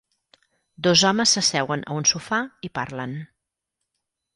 Dos homes s'asseuen a un sofà i parlen.